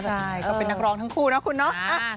ใช่ก็เป็นนักร้องทั้งคู่นะคุณเนาะ